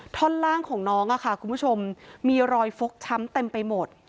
ท่อนล่างของน้องค่ะคุณผู้ชมมีรอยฟกช้ำเต็มไปหมด